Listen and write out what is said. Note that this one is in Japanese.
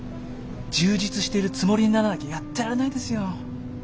充実しているつもりにならなきゃやってられないですよ。